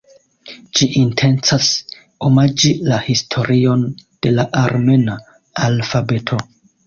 Ĝi intencas omaĝi la historion de la armena alfabeto.